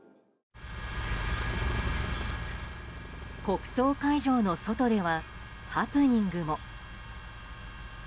国葬会場の外ではハプニングも。